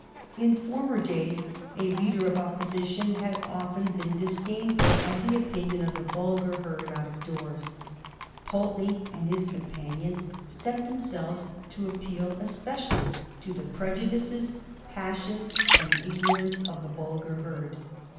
In former days a leader of Opposition had often been dis dainful of the opinion of the vulgar herd out of doors ; Pulteney and his companions set themselves to appeal especially to the prejudices, passions, and ignorance of the vulgar herd.